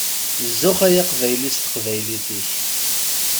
Zuxx ay Aqbayli s teqbaylit-ik!